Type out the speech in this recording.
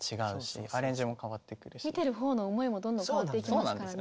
見てるほうの思いもどんどん変わっていきますからね。